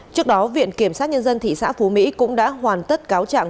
trước đó viện kiểm sát nhân dân thị xã phú mỹ cũng đã hoàn tất cáo trạng